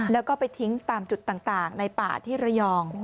แล้วก็ไปทิ้งตามจุดต่างในป่าที่ระยอง